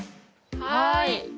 はい。